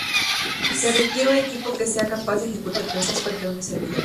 Se requiere un equipo que sea capaz de ejecutar el software de un servidor.